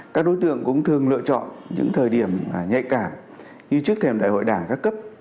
các đối tượng cũng thường lựa chọn những thời điểm nhạy cảm như trước thềm đại hội đảng các cấp